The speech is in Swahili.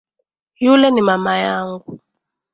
Yule ni mama yangu